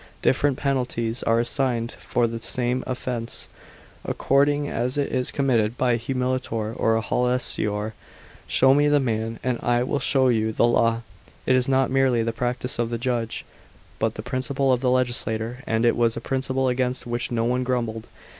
Different penalties are assigned for the same offence, acco>d;ng as it is committed by a humilior or a hoi>estior " Show me the man, and 1 will show you 528 PBINCIPATE OF ANTONINUS PIUS CHAP xxvn. the law," is not merely the practice of the judge, but the principle of the legislator. And it was a principle against which no one grumbled.